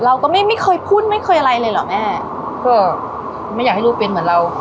เราก็ไม่ไม่เคยพูดไม่เคยอะไรเลยเหรอแม่ก็ไม่อยากให้ลูกเป็นเหมือนเรา